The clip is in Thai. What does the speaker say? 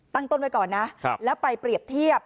ต้นไว้ก่อนนะแล้วไปเปรียบเทียบ